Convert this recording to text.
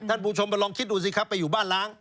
ท่านผู้ชมไปลองคิดดูสิครับไปอยู่บ้านล้าง